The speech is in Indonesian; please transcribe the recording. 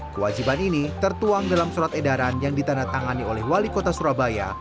kewajiban ini tertuang dalam surat edaran yang ditandatangani oleh wali kota surabaya